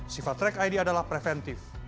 sifat track id adalah preventif